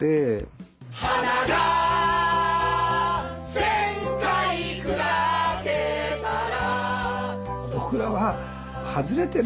「花が千回砕けたら」